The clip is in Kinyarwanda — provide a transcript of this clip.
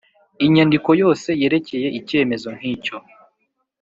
Inyandiko yose yerekeye icyemezo nkicyo